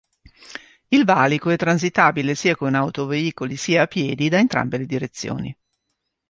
Il valico è transitabile sia con autoveicoli, sia a piedi, da entrambe le direzioni.